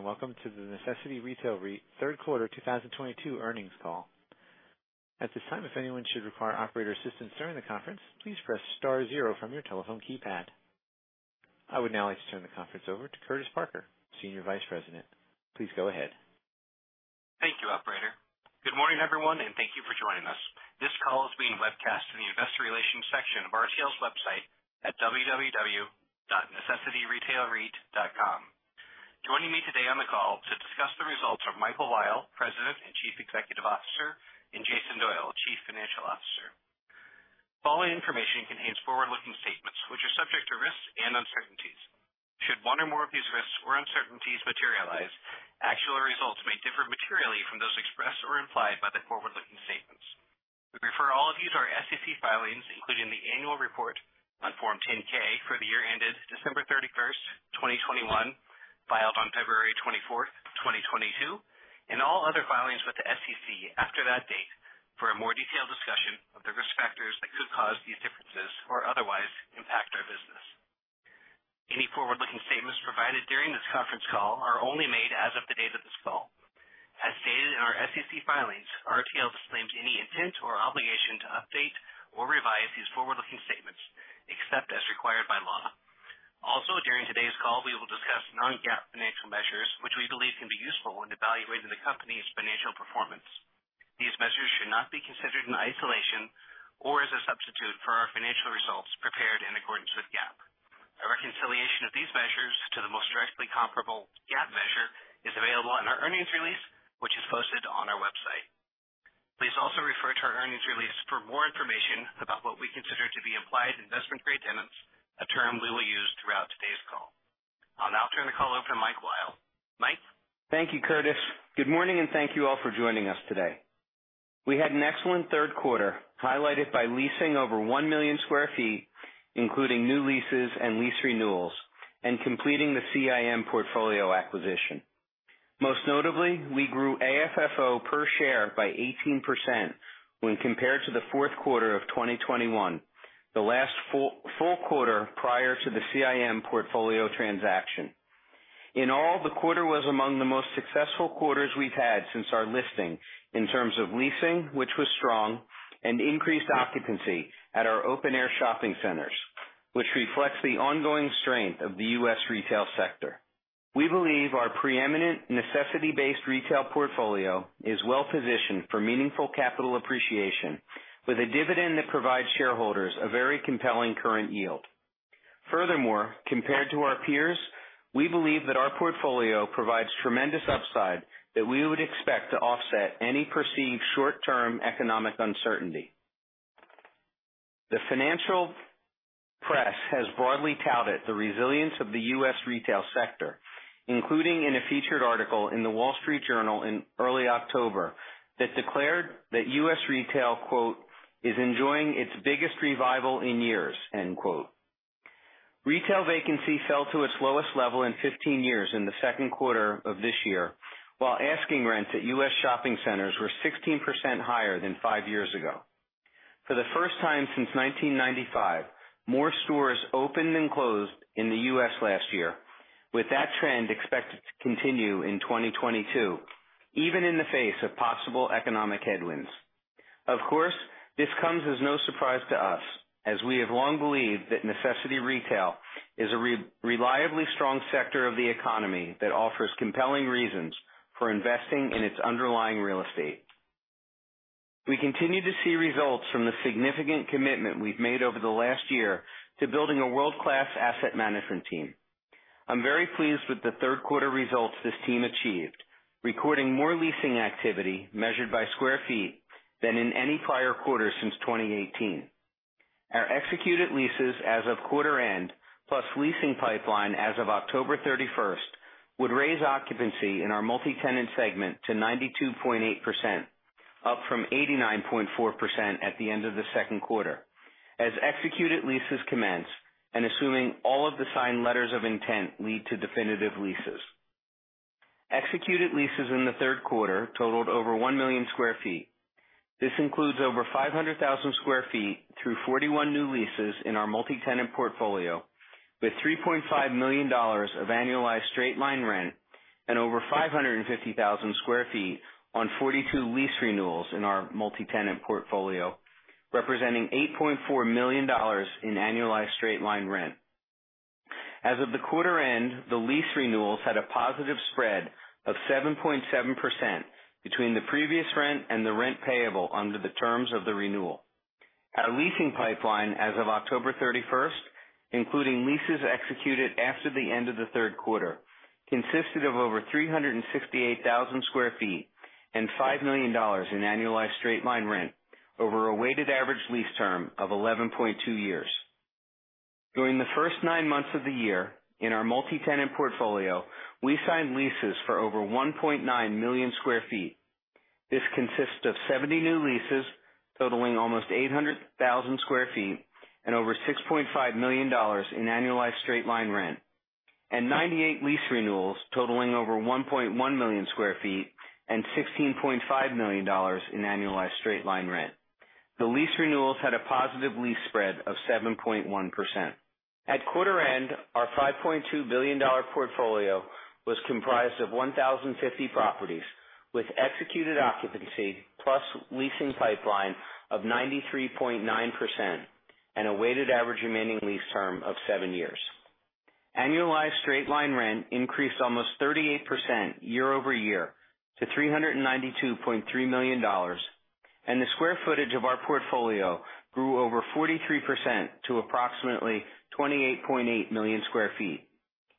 Welcome to The Necessity Retail REIT Third Quarter 2022 earnings call. At this time, if anyone should require operator assistance during the conference, please press star zero from your telephone keypad. I would now like to turn the conference over to Curtis Parker, Senior Vice President. Please go ahead. Thank you, operator. Good morning, everyone, and thank you for joining us. This call is being webcast in the Investor Relations section of RTL's website at www.necessityretailreit.com. Joining me today on the call to discuss the results are Michael Weil, President and Chief Executive Officer, and Jason Doyle, Chief Financial Officer. The following information contains forward-looking statements which are subject to risks and uncertainties. Should one or more of these risks or uncertainties materialize, actual results may differ materially from those expressed or implied by the forward-looking statements. We refer all of you to our SEC filings, including the annual report on Form 10-K for the year ended December 31st, 2021, filed on February 24th, 2022, and all other filings with the SEC after that date for a more detailed discussion of the risk factors that could cause these differences or otherwise impact our business. Any forward-looking statements provided during this conference call are only made as of the date of this call. As stated in our SEC filings, RTL disclaims any intent or obligation to update or revise these forward-looking statements, except as required by law. Also, during today's call, we will discuss non-GAAP financial measures, which we believe can be useful in evaluating the company's financial performance. These measures should not be considered in isolation or as a substitute for our financial results prepared in accordance with GAAP. A reconciliation of these measures to the most directly comparable GAAP measure is available in our earnings release, which is posted on our website. Please also refer to our earnings release for more information about what we consider to be implied investment grade tenants, a term we will use throughout today's call. I'll now turn the call over to Mike Weil. Mike? Thank you, Curtis. Good morning, and thank you all for joining us today. We had an excellent third quarter, highlighted by leasing over 1 million sq ft, including new leases and lease renewals, and completing the CIM portfolio acquisition. Most notably, we grew AFFO per share by 18% when compared to the fourth quarter of 2021, the last full quarter prior to the CIM portfolio transaction. In all, the quarter was among the most successful quarters we've had since our listing in terms of leasing, which was strong, and increased occupancy at our open-air shopping centers, which reflects the ongoing strength of the U.S. retail sector. We believe our preeminent necessity-based retail portfolio is well positioned for meaningful capital appreciation with a dividend that provides shareholders a very compelling current yield. Furthermore, compared to our peers, we believe that our portfolio provides tremendous upside that we would expect to offset any perceived short-term economic uncertainty. The financial press has broadly touted the resilience of the U.S. retail sector, including in a featured article in The Wall Street Journal in early October that declared that U.S. retail, quote, "Is enjoying its biggest revival in years," end quote. Retail vacancy fell to its lowest level in 15 years in the second quarter of this year, while asking rents at U.S. shopping centers were 16% higher than five years ago. For the first time since 1995, more stores opened than closed in the U.S. last year, with that trend expected to continue in 2022, even in the face of possible economic headwinds. Of course, this comes as no surprise to us, as we have long believed that necessity retail is a reliably strong sector of the economy that offers compelling reasons for investing in its underlying real estate. We continue to see results from the significant commitment we've made over the last year to building a world-class asset management team. I'm very pleased with the third quarter results this team achieved, recording more leasing activity measured by square feet than in any prior quarter since 2018. Our executed leases as of quarter end, plus leasing pipeline as of October 31st, would raise occupancy in our multi-tenant segment to 92.8%, up from 89.4% at the end of the second quarter as executed leases commence and assuming all of the signed letters of intent lead to definitive leases. Executed leases in the third quarter totaled over 1 million sq ft. This includes over 500,000 sq ft through 41 new leases in our multi-tenant portfolio, with $3.5 million of annualized straight-line rent and over 550,000 sq ft on 42 lease renewals in our multi-tenant portfolio, representing $8.4 million in annualized straight-line rent. As of the quarter end, the lease renewals had a positive spread of 7.7% between the previous rent and the rent payable under the terms of the renewal. Our leasing pipeline as of October 31st, including leases executed after the end of the third quarter, consisted of over 368,000 sq ft and $5 million in annualized straight-line rent over a weighted average lease term of 11.2 years. During the first nine months of the year, in our multi-tenant portfolio, we signed leases for over 1.9 million sq ft. This consists of 70 new leases totaling almost 800,000 sq ft and over $6.5 million in annualized straight-line rent, and 98 lease renewals totaling over 1.1 million sq ft and $16.5 million in annualized straight-line rent. The lease renewals had a positive lease spread of 7.1%. At quarter end, our $5.2 billion portfolio was comprised of 1,050 properties, with executed occupancy plus leasing pipeline of 93.9% and a weighted average remaining lease term of seven years. Annualized straight-line rent increased almost 38% year-over-year to $392.3 million, and the square footage of our portfolio grew over 43% to approximately 28.8 million sq ft,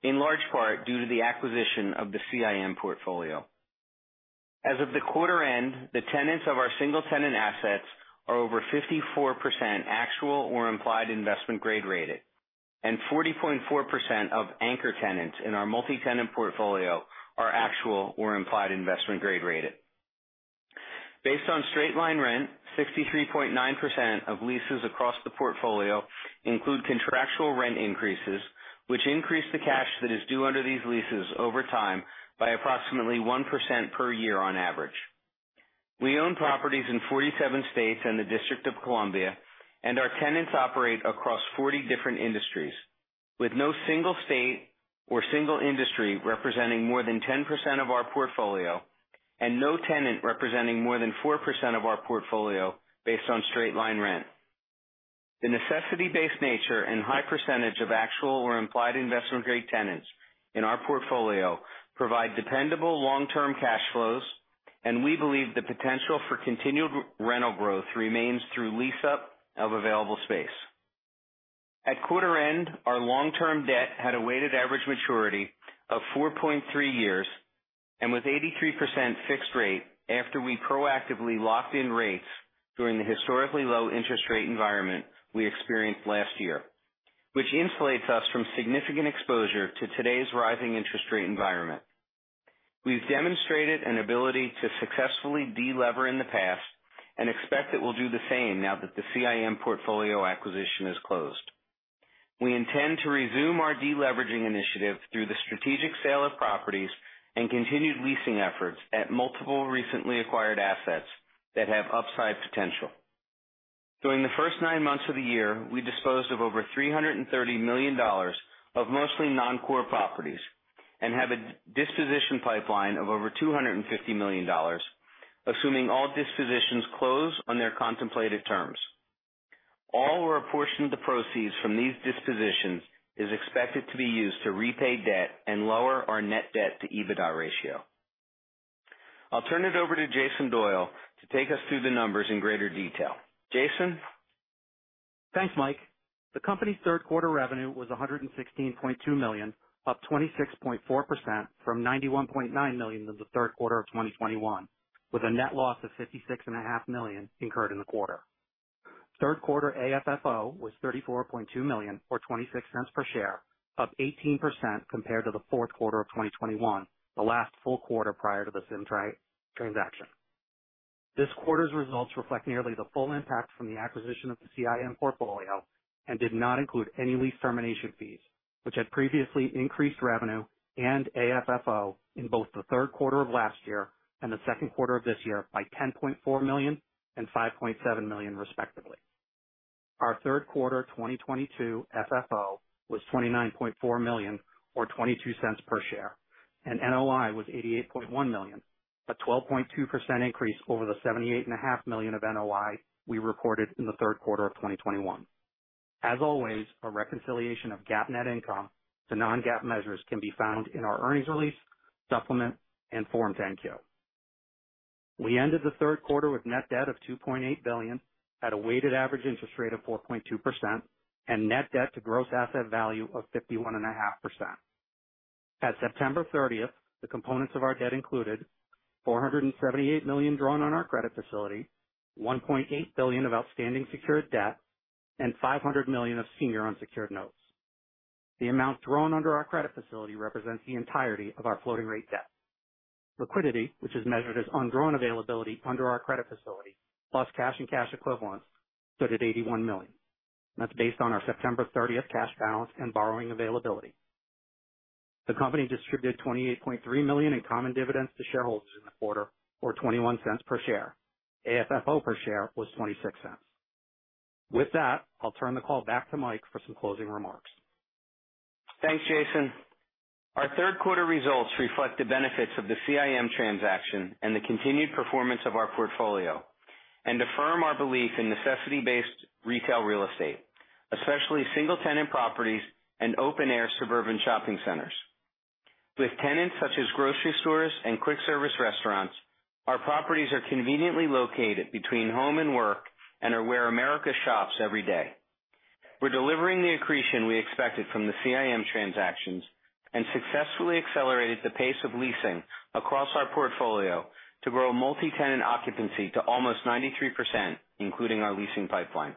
in large part due to the acquisition of the CIM portfolio. As of the quarter end, the tenants of our single-tenant assets are over 54% actual or implied investment grade rated, and 40.4% of anchor tenants in our multi-tenant portfolio are actual or implied investment grade rated. Based on straight-line rent, 63.9% of leases across the portfolio include contractual rent increases, which increase the cash that is due under these leases over time by approximately 1% per year on average. We own properties in 47 states and the District of Columbia, and our tenants operate across 40 different industries, with no single state or single industry representing more than 10% of our portfolio and no tenant representing more than 4% of our portfolio based on straight-line rent. The necessity-based nature and high percentage of actual or implied investment grade tenants in our portfolio provide dependable long-term cash flows, and we believe the potential for continued rental growth remains through lease-up of available space. At quarter end, our long-term debt had a weighted average maturity of 4.3 years and with 83% fixed rate after we proactively locked in rates during the historically low interest rate environment we experienced last year, which insulates us from significant exposure to today's rising interest rate environment. We've demonstrated an ability to successfully de-lever in the past and expect that we'll do the same now that the CIM portfolio acquisition is closed. We intend to resume our de-leveraging initiative through the strategic sale of properties and continued leasing efforts at multiple recently acquired assets that have upside potential. During the first nine months of the year, we disposed of over $330 million of mostly non-core properties and have a disposition pipeline of over $250 million, assuming all dispositions close on their contemplated terms. All or a portion of the proceeds from these dispositions is expected to be used to repay debt and lower our net debt to EBITDA ratio. I'll turn it over to Jason Doyle to take us through the numbers in greater detail. Jason? Thanks, Mike. The company's third quarter revenue was $116.2 million, up 26.4% from $91.9 million in the third quarter of 2021, with a net loss of $56.5 million incurred in the quarter. Third quarter AFFO was $34.2 million, or $0.26 per share, up 18% compared to the fourth quarter of 2021, the last full quarter prior to the CIM transaction. This quarter's results reflect nearly the full impact from the acquisition of the CIM portfolio and did not include any lease termination fees which had previously increased revenue and AFFO in both the third quarter of last year and the second quarter of this year by $10.4 million and $5.7 million, respectively. Our third quarter 2022 FFO was $29.4 million or $0.22 per share, and NOI was $88.1 million, a 12.2% increase over the $78.5 million of NOI we reported in the third quarter of 2021. As always, a reconciliation of GAAP net income to non-GAAP measures can be found in our earnings release, supplement, and Form 10-Q. We ended the third quarter with net debt of $2.8 billion at a weighted average interest rate of 4.2% and net debt to gross asset value of 51.5%. At September 30th, the components of our debt included $478 million drawn on our credit facility, $1.8 billion of outstanding secured debt, and $500 million of senior unsecured notes. The amount drawn under our credit facility represents the entirety of our floating rate debt. Liquidity, which is measured as undrawn availability under our credit facility, plus cash and cash equivalents, stood at $81 million. That's based on our September 30th cash balance and borrowing availability. The company distributed $28.3 million in common dividends to shareholders in the quarter, or $0.21 per share. AFFO per share was $0.26. With that, I'll turn the call back to Mike for some closing remarks. Thanks, Jason. Our third quarter results reflect the benefits of the CIM transaction and the continued performance of our portfolio and affirm our belief in necessity-based retail real estate, especially single tenant properties and open air suburban shopping centers. With tenants such as grocery stores and quick service restaurants, our properties are conveniently located between home and work and are where America shops every day. We're delivering the accretion we expected from the CIM transactions and successfully accelerated the pace of leasing across our portfolio to grow multi-tenant occupancy to almost 93%, including our leasing pipeline.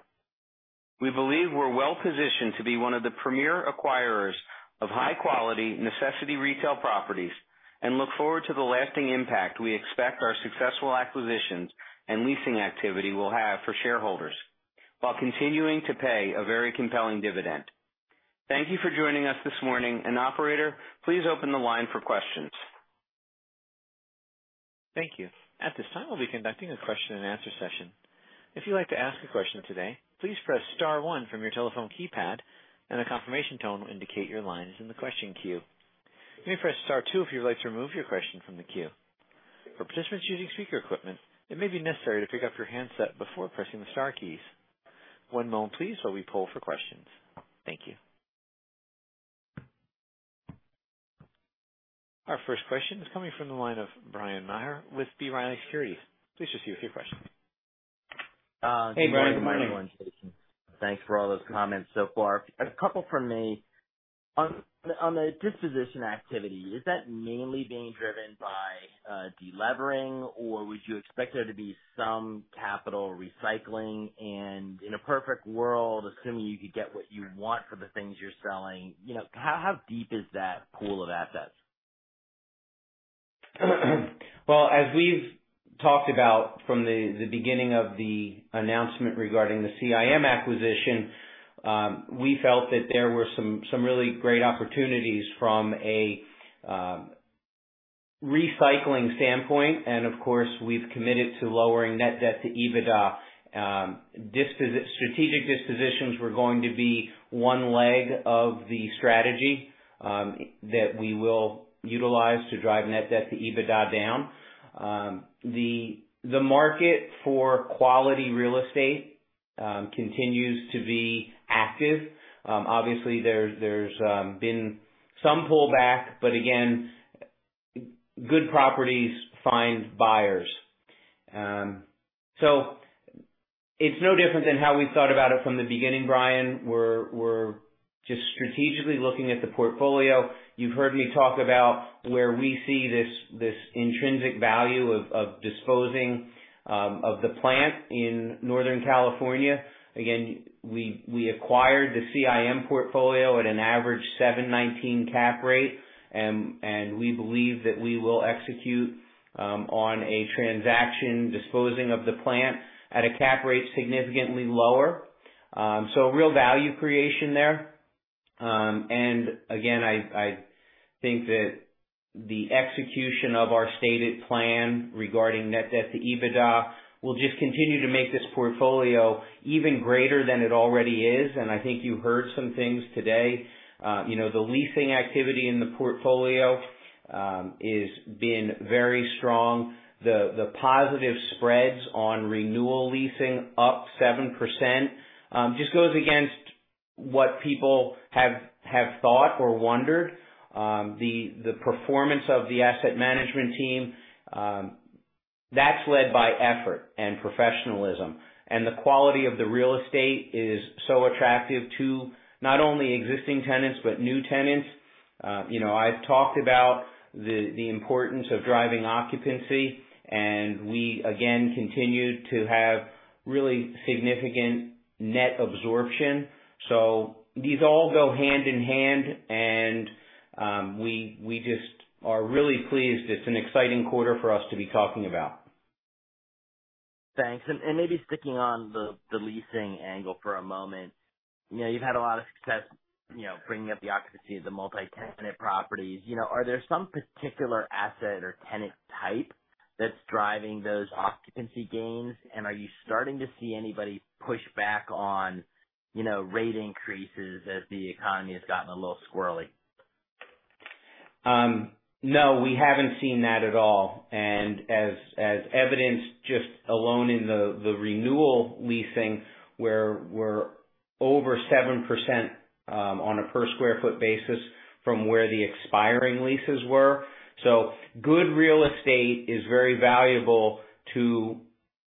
We believe we're well positioned to be one of the premier acquirers of high quality necessity retail properties and look forward to the lasting impact we expect our successful acquisitions and leasing activity will have for shareholders while continuing to pay a very compelling dividend. Thank you for joining us this morning. Operator, please open the line for questions. Thank you. At this time, we'll be conducting a question and answer session. If you'd like to ask a question today, please press star one from your telephone keypad and a confirmation tone will indicate your line is in the question queue. You may press star two if you'd like to remove your question from the queue. For participants using speaker equipment, it may be necessary to pick up your handset before pressing the star keys. One moment please while we poll for questions. Thank you. Our first question is coming from the line of Bryan Maher with B. Riley Securities. Please proceed with your question. Hey, Bryan. Good morning. Thanks for all those comments so far. A couple from me. On the disposition activity, is that mainly being driven by de-levering, or would you expect there to be some capital recycling? In a perfect world, assuming you could get what you want for the things you're selling, you know, how deep is that pool of assets? Well, as we've talked about from the beginning of the announcement regarding the CIM acquisition, we felt that there were some really great opportunities from a recycling standpoint. Of course, we've committed to lowering net debt to EBITDA. Strategic dispositions were going to be one leg of the strategy that we will utilize to drive net debt to EBITDA down. The market for quality real estate continues to be active. Obviously, there's been some pullback, but again, good properties find buyers. It's no different than how we thought about it from the beginning, Bryan. We're just strategically looking at the portfolio. You've heard me talk about where we see this intrinsic value of disposing of the plant in Northern California. Again, we acquired the CIM portfolio at an average 7.19 cap rate, and we believe that we will execute on a transaction disposing of the plant at a cap rate significantly lower. Real value creation there. Again, I think that the execution of our stated plan regarding net debt to EBITDA will just continue to make this portfolio even greater than it already is, and I think you heard some things today. You know, the leasing activity in the portfolio has been very strong. The positive spreads on renewal leasing up 7%, just goes against what people have thought or wondered. The performance of the asset management team, that's led by effort and professionalism. The quality of the real estate is so attractive to not only existing tenants, but new tenants. You know, I've talked about the importance of driving occupancy, and we again continue to have really significant net absorption. These all go hand in hand, and we just are really pleased. It's an exciting quarter for us to be talking about. Thanks. Maybe sticking on the leasing angle for a moment. You know, you've had a lot of success, you know, bringing up the occupancy of the multi-tenant properties. You know, are there some particular asset or tenant type that's driving those occupancy gains? Are you starting to see anybody push back on, you know, rate increases as the economy has gotten a little squirrely? No, we haven't seen that at all. As evidenced just alone in the renewal leasing, where we're over 7% on a per square foot basis from where the expiring leases were. Good real estate is very valuable to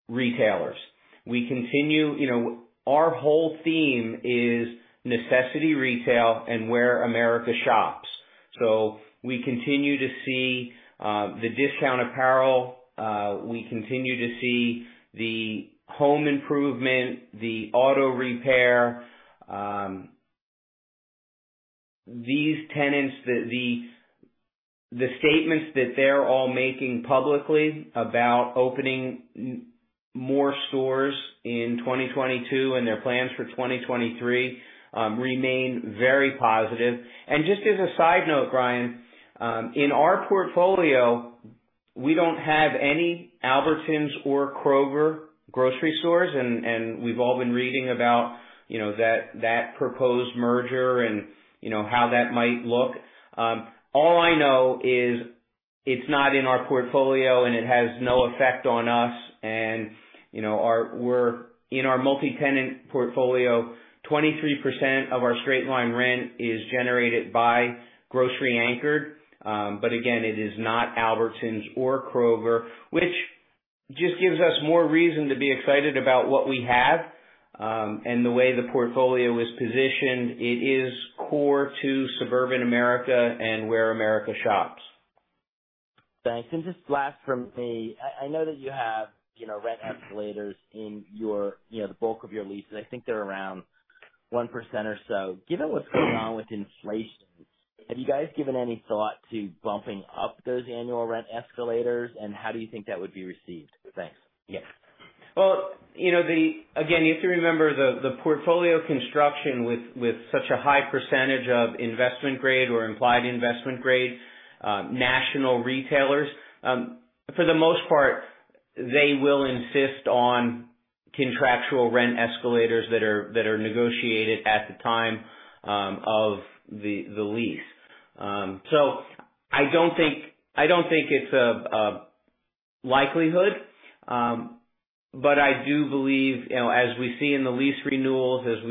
retailers. We continue, you know, our whole theme is necessity retail and where America shops. We continue to see the discount apparel, the home improvement, the auto repair. These tenants, the statements that they're all making publicly about opening more stores in 2022 and their plans for 2023 remain very positive. Just as a side note, Bryan, in our portfolio, we don't have any Albertsons or Kroger grocery stores and we've all been reading about, you know, that proposed merger and, you know, how that might look. All I know is it's not in our portfolio and it has no effect on us. You know, we're in our multi-tenant portfolio, 23% of our straight line rent is generated by grocery anchored. But again, it is not Albertsons or Kroger, which just gives us more reason to be excited about what we have, and the way the portfolio is positioned, it is core to suburban America and where America shops. Thanks. Just last from me. I know that you have, you know, rent escalators in your, you know, the bulk of your leases. I think they're around 1% or so. Given what's going on with inflation, have you guys given any thought to bumping up those annual rent escalators, and how do you think that would be received? Thanks. Yes. Well, you know, again, you have to remember the portfolio construction with such a high percentage of investment grade or implied investment grade national retailers, for the most part, they will insist on contractual rent escalators that are negotiated at the time of the lease. So I don't think it's a likelihood. But I do believe, you know, as we see in the lease renewals, as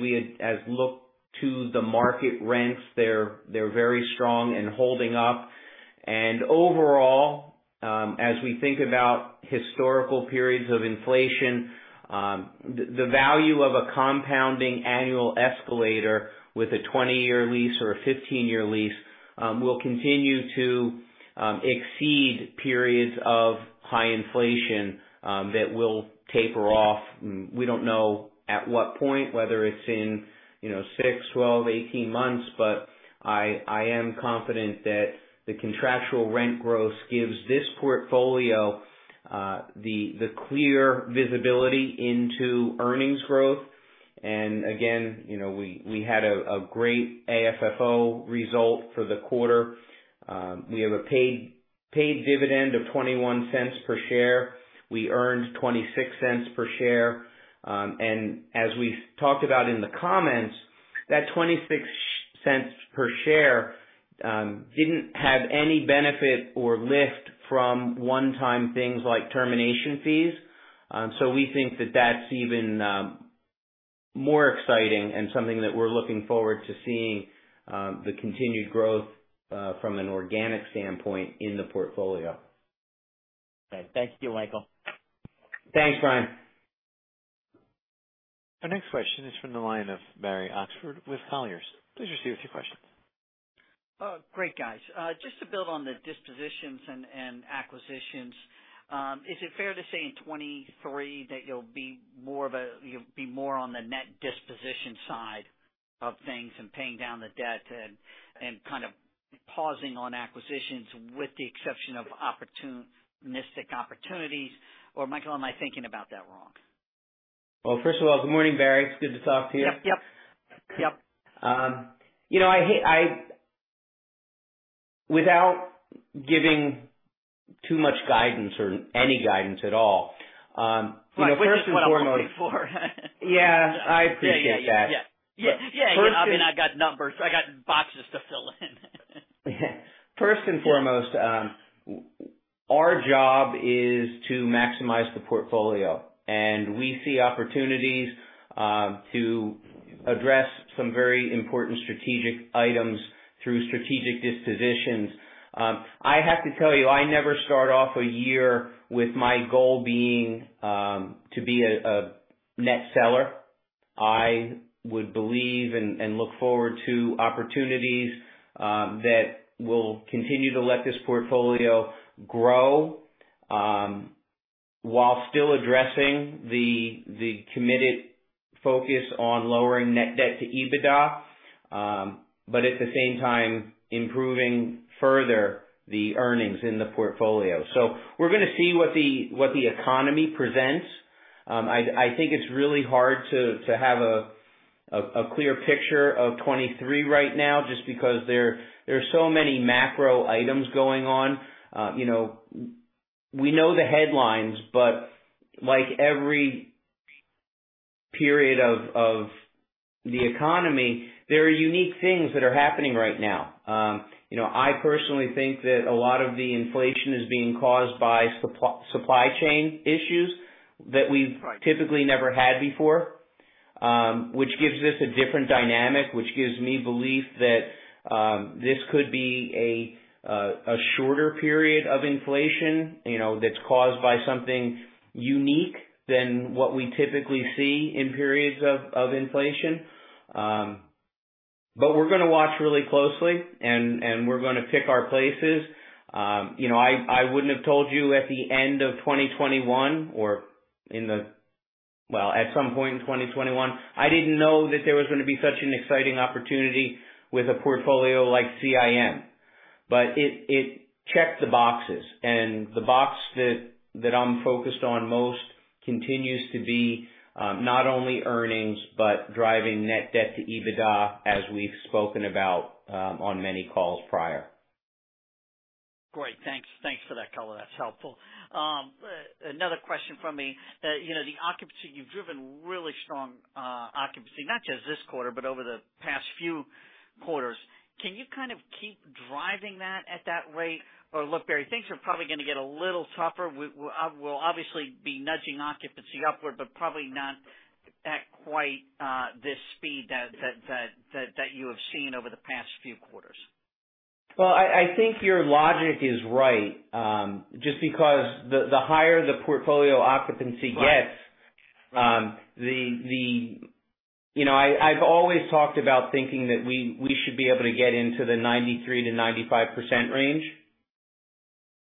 we look to the market rents, they're very strong and holding up. Overall, as we think about historical periods of inflation, the value of a compounding annual escalator with a 20-year lease or a 15-year lease will continue to exceed periods of high inflation that will taper off. We don't know at what point, whether it's in, you know, six, 12, 18 months, but I am confident that the contractual rent growth gives this portfolio the clear visibility into earnings growth. Again, you know, we had a great AFFO result for the quarter. We have a paid dividend of $0.21 per share. We earned $0.26 per share. As we talked about in the comments, that $0.26 per share didn't have any benefit or lift from one-time things like termination fees. We think that that's even more exciting and something that we're looking forward to seeing the continued growth from an organic standpoint in the portfolio. Right. Thank you, Michael. Thanks, Bryan. Our next question is from the line of Barry Oxford with Colliers. Please proceed with your question. Great, guys. Just to build on the dispositions and acquisitions, is it fair to say in 2023 that you'll be more on the net disposition side of things and paying down the debt and kind of pausing on acquisitions with the exception of opportunistic opportunities? Or Michael, am I thinking about that wrong? Well, first of all, good morning, Barry. It's good to talk to you. Yep, yep. Yep. You know, without giving too much guidance or any guidance at all, you know, first and foremost. Which is what I'm looking for. Yeah, I appreciate that. Yeah, yeah. Yeah. Yeah. First and- I mean, I've got numbers. I got boxes to fill in. First and foremost, our job is to maximize the portfolio, and we see opportunities to address some very important strategic items through strategic dispositions. I have to tell you, I never start off a year with my goal being to be a net seller. I would believe and look forward to opportunities that will continue to let this portfolio grow, while still addressing the committed focus on lowering net debt to EBITDA, but at the same time, improving further the earnings in the portfolio. We're gonna see what the economy presents. I think it's really hard to have a clear picture of 2023 right now just because there are so many macro items going on. You know, we know the headlines, but like every period of the economy, there are unique things that are happening right now. You know, I personally think that a lot of the inflation is being caused by supply chain issues that we've. Right. Typically never had before, which gives this a different dynamic, which gives me belief that this could be a shorter period of inflation, you know, that's caused by something unique than what we typically see in periods of inflation. We're gonna watch really closely and we're gonna pick our places. You know, I wouldn't have told you at the end of 2021. Well, at some point in 2021, I didn't know that there was gonna be such an exciting opportunity with a portfolio like CIM, but it checked the boxes. The box that I'm focused on most continues to be not only earnings, but driving net debt to EBITDA, as we've spoken about on many calls prior. Great. Thanks. Thanks for that color. That's helpful. Another question from me. You know, the occupancy, you've driven really strong occupancy, not just this quarter, but over the past few quarters. Can you kind of keep driving that at that rate? Or look, Barry, things are probably gonna get a little tougher. We'll obviously be nudging occupancy upward, but probably not at quite this speed that you have seen over the past few quarters. Well, I think your logic is right, just because the higher the portfolio occupancy gets. Right. You know, I've always talked about thinking that we should be able to get into the 93%-95% range.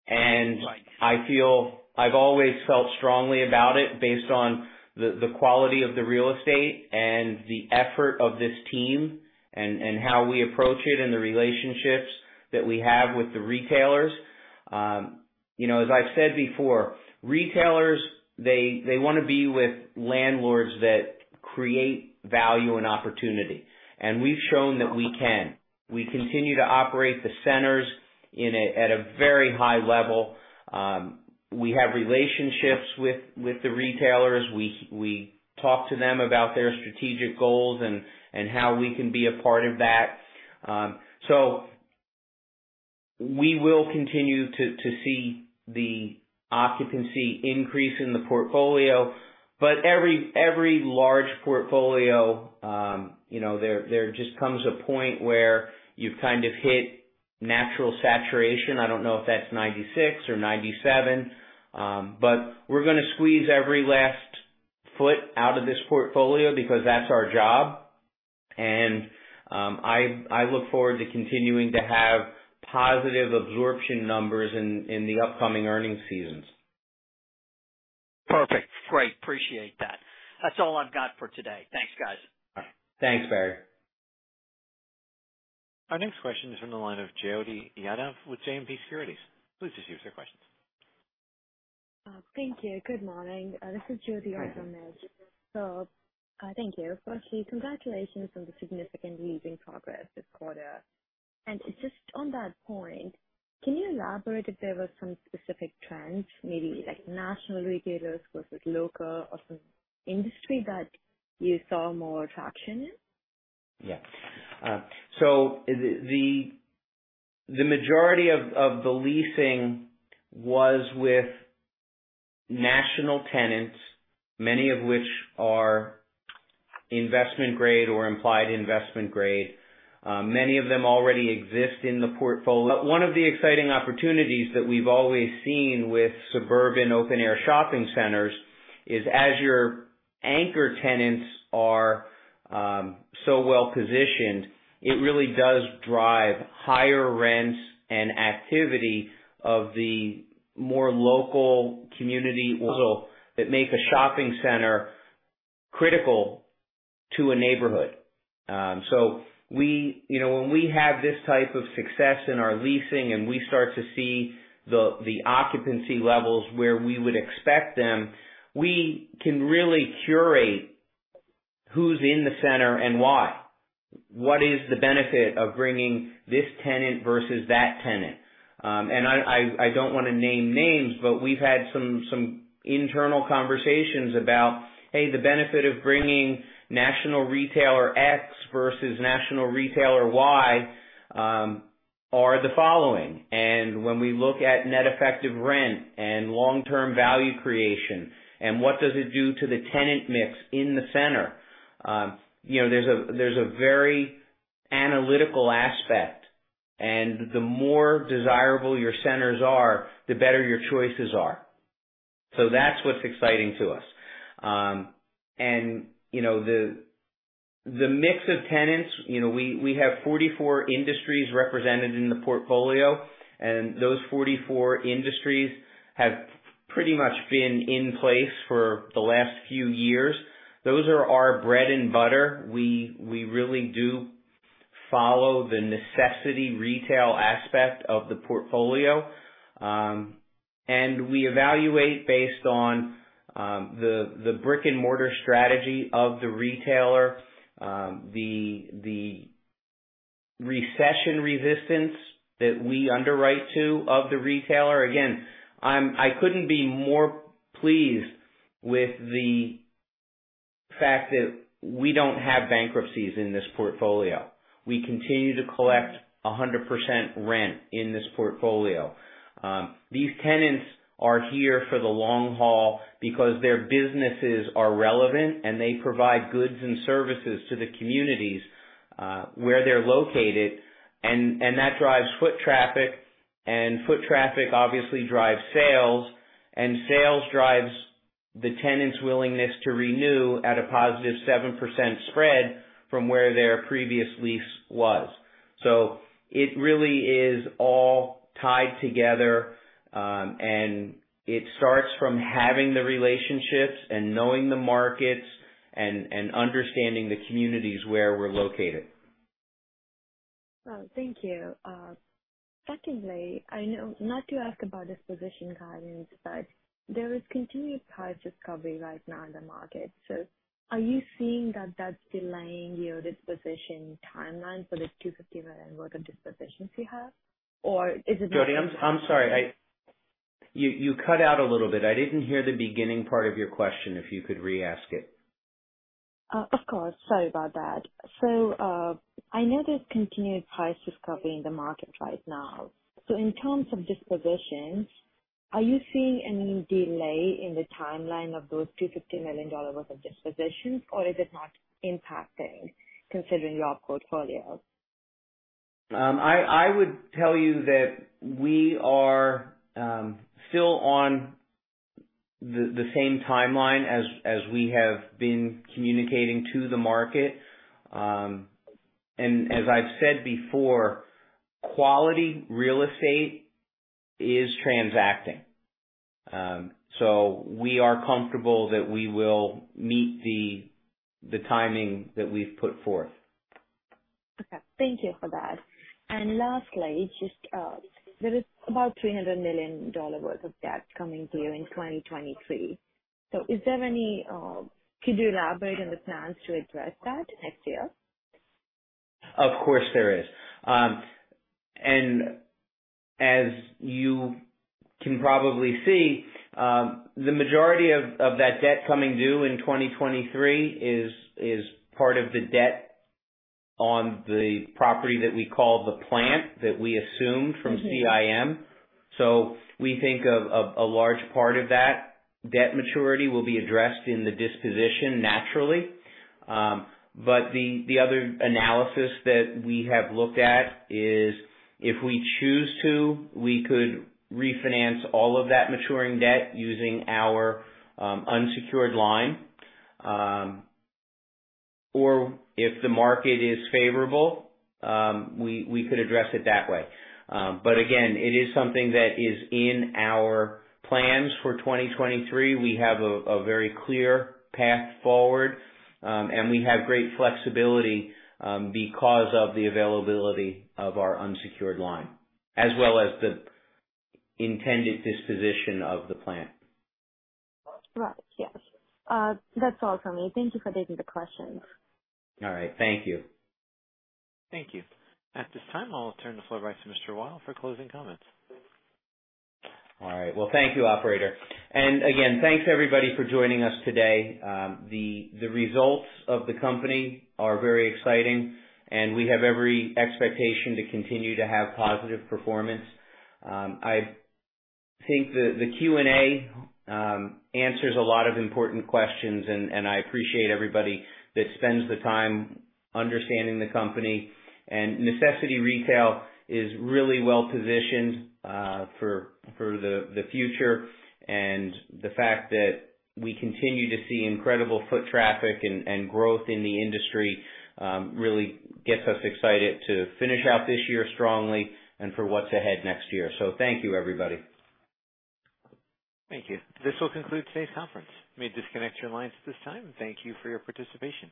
Right. I feel I've always felt strongly about it based on the quality of the real estate and the effort of this team and how we approach it and the relationships that we have with the retailers. You know, as I've said before, retailers, they wanna be with landlords that create value and opportunity, and we've shown that we can. We continue to operate the centers at a very high level. We have relationships with the retailers. We talk to them about their strategic goals and how we can be a part of that. We will continue to see the occupancy increase in the portfolio. Every large portfolio, you know, there just comes a point where you've kind of hit natural saturation. I don't know if that's 96% or 97%. We're gonna squeeze every last foot out of this portfolio because that's our job. I look forward to continuing to have positive absorption numbers in the upcoming earnings seasons. Perfect. Great. Appreciate that. That's all I've got for today. Thanks, guys. Thanks, Barry. Our next question is from the line of Jyoti Yadav with JMP Securities. Please go ahead with your question. Thank you. Good morning. This is Jyoti Yadav. Hi. Thank you. Firstly, congratulations on the significant leasing progress this quarter. Just on that point, can you elaborate if there were some specific trends, maybe like national retailers versus local or some industry that you saw more traction in? The majority of the leasing was with national tenants, many of which are investment grade or implied investment grade. Many of them already exist in the portfolio. One of the exciting opportunities that we've always seen with suburban open-air shopping centers is as your anchor tenants are so well-positioned, it really does drive higher rents and activity of the more local community level that make a shopping center critical to a neighborhood. You know, when we have this type of success in our leasing, and we start to see the occupancy levels where we would expect them, we can really curate who's in the center and why? What is the benefit of bringing this tenant versus that tenant? I don't wanna name names, but we've had some internal conversations about, hey, the benefit of bringing national retailer X versus national retailer Y, are the following. When we look at net effective rent and long-term value creation, and what does it do to the tenant mix in the center? You know, there's a very analytical aspect, and the more desirable your centers are, the better your choices are. So that's what's exciting to us. You know, the mix of tenants, you know, we have 44 industries represented in the portfolio, and those 44 industries have pretty much been in place for the last few years. Those are our bread and butter. We really do follow the necessity retail aspect of the portfolio. We evaluate based on the brick-and-mortar strategy of the retailer, the recession resistance that we underwrite to of the retailer. Again, I couldn't be more pleased with the fact that we don't have bankruptcies in this portfolio. We continue to collect 100% rent in this portfolio. These tenants are here for the long haul because their businesses are relevant, and they provide goods and services to the communities where they're located, and that drives foot traffic. Foot traffic obviously drives sales, and sales drives the tenants' willingness to renew at a positive 7% spread from where their previous lease was. It really is all tied together, and it starts from having the relationships and knowing the markets and understanding the communities where we're located. Well, thank you. Secondly, I know not to ask about disposition guidance, but there is continued price discovery right now in the market. Are you seeing that that's delaying your disposition timeline for the $250 million worth of dispositions you have? Or is it- Jyoti, I'm sorry. You cut out a little bit. I didn't hear the beginning part of your question, if you could re-ask it. Of course. Sorry about that. I know there's continued price discovery in the market right now. In terms of dispositions, are you seeing any delay in the timeline of those $250 million worth of dispositions, or is it not impacting considering your portfolio? I would tell you that we are still on the same timeline as we have been communicating to the market. As I've said before, quality real estate is transacting. We are comfortable that we will meet the timing that we've put forth. Okay. Thank you for that. Lastly, just, there is about $300 million worth of debt coming due in 2023. Could you elaborate on the plans to address that next year? Of course there is. As you can probably see, the majority of that debt coming due in 2023 is part of the debt on the property that we call the plant that we assumed from CIM. We think of a large part of that debt maturity will be addressed in the disposition, naturally. The other analysis that we have looked at is, if we choose to, we could refinance all of that maturing debt using our unsecured line. If the market is favorable, we could address it that way. Again, it is something that is in our plans for 2023. We have a very clear path forward, and we have great flexibility because of the availability of our unsecured line as well as the intended disposition of the plant. Right. Yes. That's all from me. Thank you for taking the questions. All right. Thank you. Thank you. At this time, I'll turn the floor back to Mr. Weil for closing comments. All right. Well, thank you, operator. Again, thanks everybody for joining us today. The results of the company are very exciting, and we have every expectation to continue to have positive performance. I think the Q&A answers a lot of important questions, and I appreciate everybody that spends the time understanding the company. Necessity Retail is really well-positioned for the future. The fact that we continue to see incredible foot traffic and growth in the industry really gets us excited to finish out this year strongly and for what's ahead next year. Thank you, everybody. Thank you. This will conclude today's conference. You may disconnect your lines at this time. Thank you for your participation.